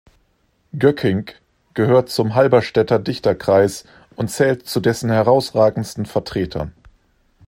Goeckingk gehört zum Halberstädter Dichterkreis und zählt zu dessen herausragendsten Vertretern.